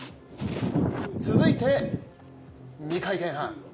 続いて、２回転半。